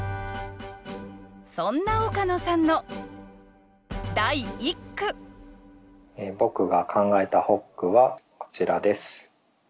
そんな岡野さんの第一句僕が考えた発句はこちらです。